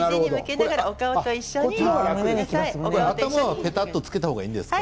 頭はぺたっとつけた方がいいですか？